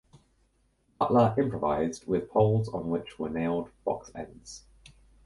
Cutler improvised with poles on which were nailed box ends.